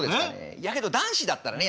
だけど男子だったらね